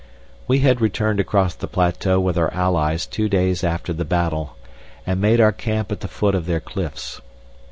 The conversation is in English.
We had returned across the plateau with our allies two days after the battle, and made our camp at the foot of their cliffs.